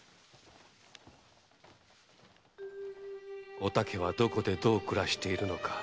「お竹はどこでどう暮らしているのか」